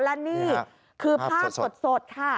และนี่คือภาพสดค่ะ